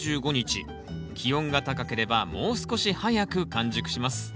気温が高ければもう少し早く完熟します